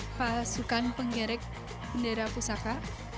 pasukan pengerek bendera pusaka